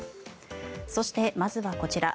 そして、まずはこちら。